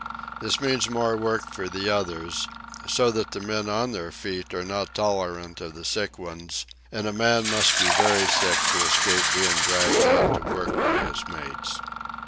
This means more work for the others, so that the men on their feet are not tolerant of the sick ones, and a man must be very sick to escape being dragged out to work by his mates.